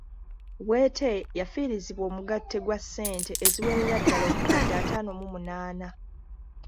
Bwete yafiirizibwa omugatte gwa ssente eziwerera ddala obukadde ataano mu munaana.